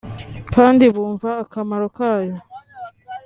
kandi bumva akamaro kayo